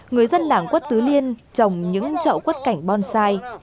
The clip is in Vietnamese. người dân làng quất tứ liên trồng những trậu quất cảnh bonsai